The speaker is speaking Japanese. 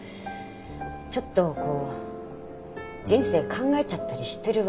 ちょっとこう人生考えちゃったりしてるわけですよ。